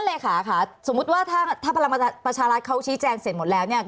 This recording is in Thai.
เลขาค่ะสมมุติว่าถ้าพลังประชารัฐเขาชี้แจงเสร็จหมดแล้วเนี่ย